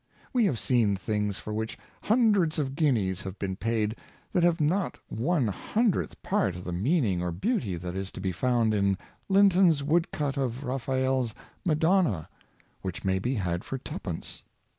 We have seen things for which hundreds of guineas have been paid that have not one hundreth part of the meaning or beauty that is to be found in Linton's wood cut of Raf faelle's " Madonna,'' which may be had for twopence.